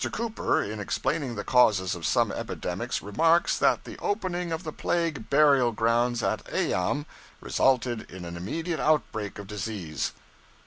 Cooper, in explaining the causes of some epidemics, remarks that the opening of the plague burial grounds at Eyam resulted in an immediate outbreak of disease.'